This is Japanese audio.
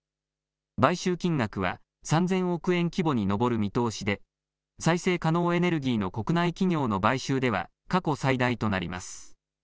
買収金額は３０００億円規模に上る見通しで再生可能エネルギーの国内企業の買収では過去最大となります。